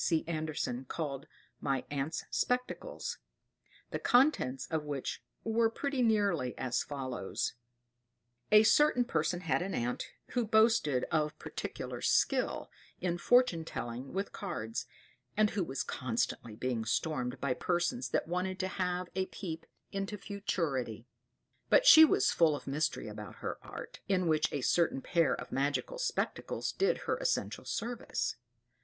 C. Andersen, called, My Aunt's Spectacles; the contents of which were pretty nearly as follows: "A certain person had an aunt, who boasted of particular skill in fortune telling with cards, and who was constantly being stormed by persons that wanted to have a peep into futurity. But she was full of mystery about her art, in which a certain pair of magic spectacles did her essential service.